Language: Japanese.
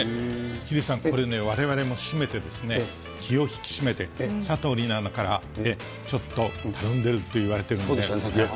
ヒデさん、これね、われわれも締めてですね、気を引き締めて、佐藤梨那アナから、ちょっとたるんでるって言われてるんで。